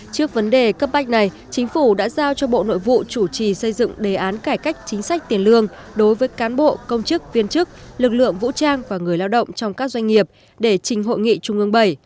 trước vấn đề cấp bách này chính phủ đã giao cho bộ nội vụ chủ trì xây dựng đề án cải cách chính sách tiền lương đối với cán bộ công chức viên chức lực lượng vũ trang và người lao động trong các doanh nghiệp để trình hội nghị trung ương bảy